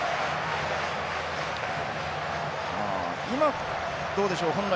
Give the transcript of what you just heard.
今どうでしょう？